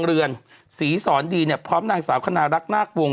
เหลียนท้องแดงนี่เหลียนท้อง